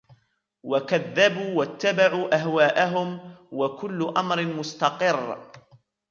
وَكَذَّبُوا وَاتَّبَعُوا أَهْوَاءهُمْ وَكُلُّ أَمْرٍ مُّسْتَقِرٌّ